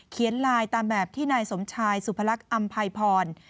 เขียนลายตามแบบที่นายสมชายสุพรรคอัมภัยพร